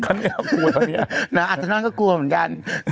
อาทอนนท์ก็กลัวเหมือนกัน